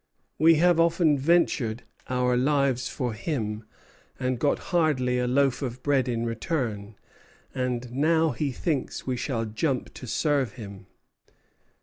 We have often ventured our lives for him, and got hardly a loaf of bread in return; and now he thinks we shall jump to serve him.'